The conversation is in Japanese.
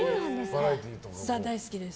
大好きです。